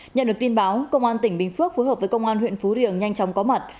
nhận được tin báo công an tỉnh bình phước phối hợp với công an huyện phú riềng nhanh chóng có mặt